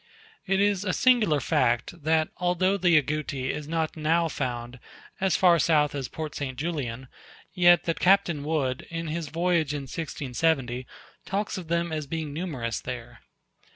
It is a singular fact, that although the Agouti is not now found as far south as Port St. Julian, yet that Captain Wood, in his voyage in 1670, talks of them as being numerous there.